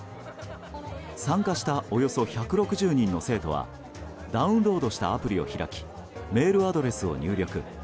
参加したおよそ１６０人の生徒はダウンロードしたアプリを開きメールアドレスを入力。